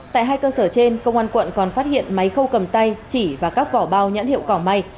tại hai cơ sở trên công an quận còn phát hiện máy khâu cầm tay chỉ và các vỏ bao nhãn hiệu cỏ mây